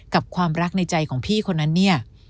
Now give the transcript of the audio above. กับความรักในใจของพี่คนนั้นเนี่ย